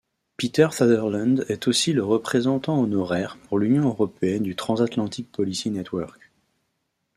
Peter Sutherland est aussi le représentant honoraire pour l'Union européenne du Transatlantic Policy Network.